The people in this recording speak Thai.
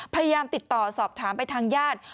พยายามติดต่อสอบถามไปทางญาติ